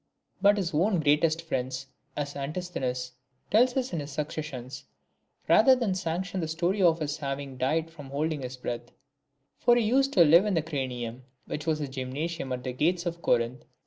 But his own greatest friends, as Antisthenes tells us in his Successions, rather sanction the story of his having died from holding his breath. For he used to live in the Craneum, which was a Gymnasium at the gates of Corinth.